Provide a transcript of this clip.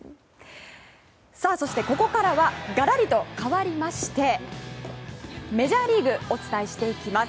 そしてここからはがらりと変わりましてメジャーリーグお伝えしていきます。